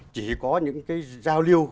chỉ có những giao lưu